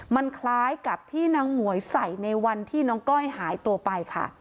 มันคล้ายกับที่นางหมวยใส่ในวันที่น้องก้อยหายตัวไปค่ะ